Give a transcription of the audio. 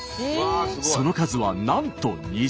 その数はなんと２０種類！